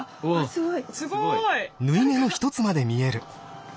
すごい。